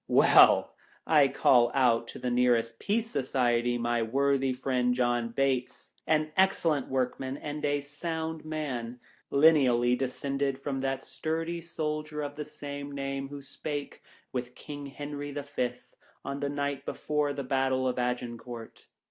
Well ! I call out of the nearest Peace Society my worthy friend John Bates — an excellent workman and a sound man, lineally descended from that sturdy soldier of the same name who spake with King Henry the Fifth, on the night before the battle of Agincourt.